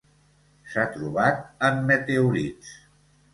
S'ha trobat en meteorits.